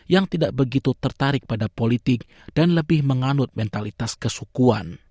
yang tidak begitu tertarik pada politik dan lebih menganut mentalitas kesukuan